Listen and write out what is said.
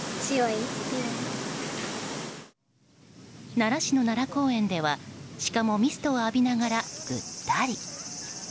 奈良市の奈良公園ではシカもミストを浴びながらぐったり。